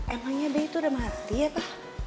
emangnya be itu udah mati ya pa